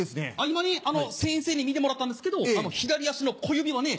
今先生に診てもらったんですけど左足の小指はね